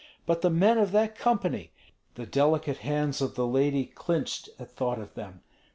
But the men of that company! The delicate hands of the lady clinched at thought of them.